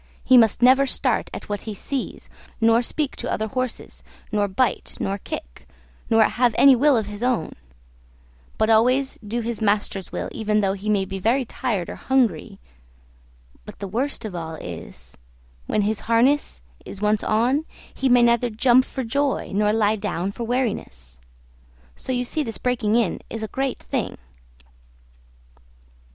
He must never start at what he sees, nor speak to other horses, nor bite, nor kick, nor have any will of his own; but always do his master's will, even though he may be very tired or hungry; but the worst of all is, when his harness is once on, he may neither jump for joy nor lie down for weariness. So you see this breaking in is a great thing.